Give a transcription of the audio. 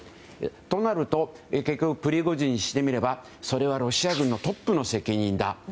そうなると結局プリゴジンにしてみればそれはロシア軍のトップの責任だ。